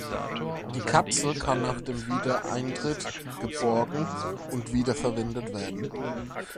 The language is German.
Die Kapsel kann nach dem Wiedereintritt geborgen und wiederverwendet werden.